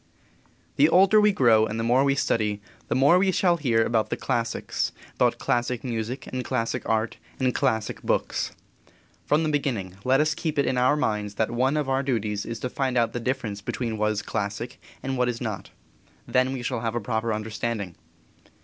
_ The older we grow and the more we study, the more we shall hear about the classics, about classic music, and classic art, and classic books. From the beginning let us keep it in our minds that one of our duties is to find out the difference between what is classic and what is not. Then we shall have a proper understanding.